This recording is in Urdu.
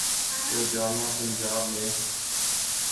تو جامعہ پنجاب میں۔